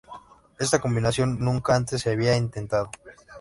Esta combinación nunca antes se había intentado.